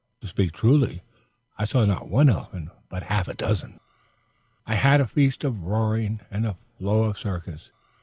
To speak truly, I saw not one elephant, but half a dozen. I had a feast of roaring and a flow of circus.